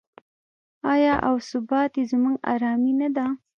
آیا او ثبات یې زموږ ارامي نه ده؟